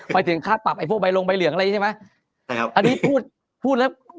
ไฟถึงข้าวปรับไปเหลืองบ่อยเลยใช่ไหม